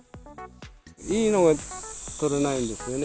いいのが取れないんですよね。